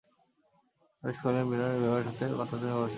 পরেশ কহিলেন, বিনয়ের বিবাহের কথা তুমি অবশ্য শুনেছ?